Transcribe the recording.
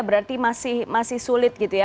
berarti masih sulit gitu ya